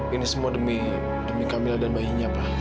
ini semua demi kamila dan bayinya pa